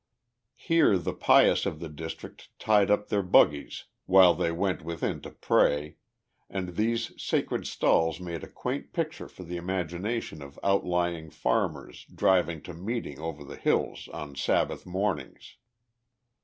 Here the pious of the district tied up their buggies while they went within to pray, and these sacred stalls made a quaint picture for the imagination of outlying farmers driving to meeting over the hills on Sabbath mornings.